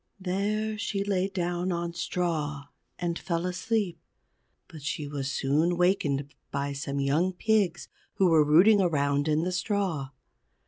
There she lay down on straw and fell asleep; but she was soon wakened by some young pigs who were rooting around in the straw.